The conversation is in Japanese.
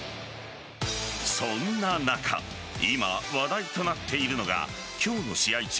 そんな中今、話題となっているのが今日の試合中